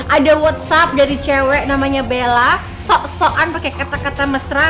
ada whatsapp dari cewek namanya bella sok sokan pakai kata kata mesra